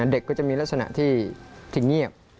เด็กก็จะมีลักษณะที่เงียบ